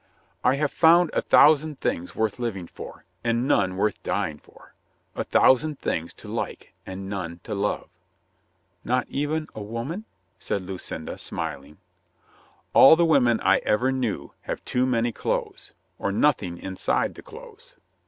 "I have found a thousand things worth living for, and none worth dying for — a thousand things to like, and none to love." "Not even a woman ?" said Lucinda, smiling. "All the women I ever knew have too many clothes — or nothing inside the clothes."